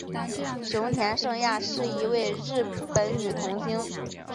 熊田圣亚是一位日本女童星。